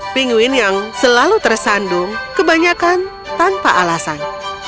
pinguin yang selalu tersandung kebanyakan tanpa alasan